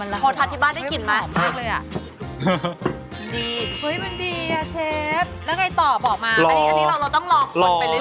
มันหอมอ่ะใส่ตัวพัสต้าได้เลย